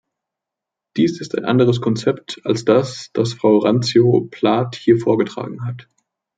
Dies ist ein anderes Konzept als das, das Frau Randzio-Plath hier vorgetragen hat.